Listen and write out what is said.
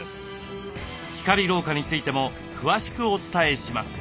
光老化についても詳しくお伝えします。